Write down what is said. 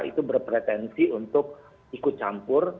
itu berpretensi untuk ikut campur